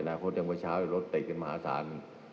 อนาคตยังไว้เช้ารถเตะกันมหาศาล